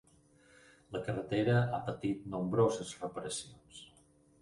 La carretera ha patit nombroses reparacions.